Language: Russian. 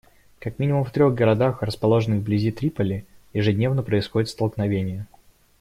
Как минимум в трех городах, расположенных вблизи Триполи, ежедневно происходят столкновения.